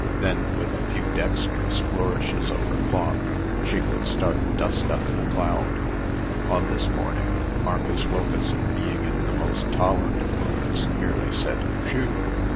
Then, with a few dexterous flourishes of her cloth, she would start the dust up in a cloud. On this morning, Marcus Wilkeson, being in the most tolerant of moods, merely said "Whew!"